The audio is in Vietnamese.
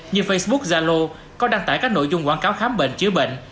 như facebook zalo có đăng tải các nội dung quảng cáo khám bệnh chứa bệnh